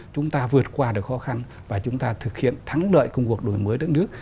chúng ta vượt qua được khó khăn và chúng ta thực hiện thắng lợi công cuộc đổi mới đất nước